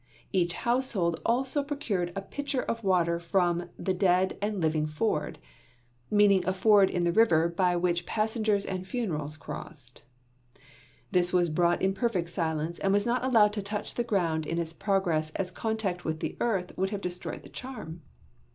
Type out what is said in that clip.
Each household also procured a pitcher of water from "the dead and living ford," meaning a ford in the river by which passengers and funerals crossed. This was brought in perfect silence and was not allowed to touch the ground in its progress as contact with the earth would have destroyed the charm.